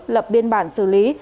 lập biên bản xử lý